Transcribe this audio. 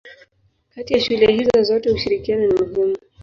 Kati ya shule hizo zote ushirikiano ni muhimu.